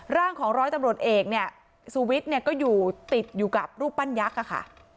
ร่างของร้อยตำรวจเอกเนี่ยสุวิทย์เนี่ยก็อยู่ติดอยู่กับรูปปั้นยักษ์ค่ะ